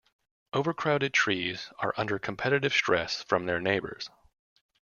Overcrowded trees are under competitive stress from their neighbors.